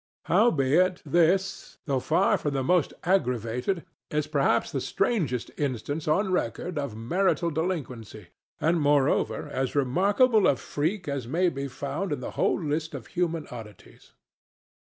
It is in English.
Howbeit, this, though far from the most aggravated, is perhaps the strangest instance on record of marital delinquency, and, moreover, as remarkable a freak as may be found in the whole list of human oddities.